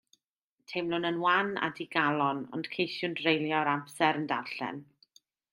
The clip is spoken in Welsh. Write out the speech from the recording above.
Teimlwn yn wan a digalon, ond ceisiwn dreulio yr amser yn darllen.